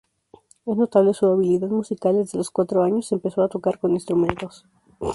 Es notable su habilidad musical, desde los cuatro años, empezó a tocar con instrumentos.